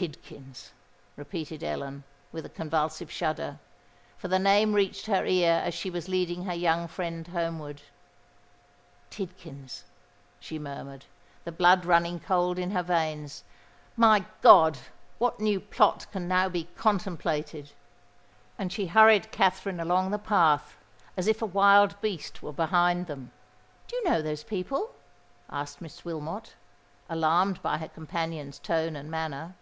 "Tidkins!" repeated Ellen, with a convulsive shudder—for the name reached her ear as she was leading her young friend homeward:—"Tidkins!" she murmured, the blood running cold in her veins; "my God! what new plot can now be contemplated?" And she hurried Katherine along the path, as if a wild beast were behind them. "Do you know those people?" asked Miss Wilmot, alarmed by her companion's tone and manner.